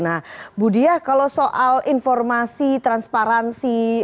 nah budi ya kalau soal informasi transparansi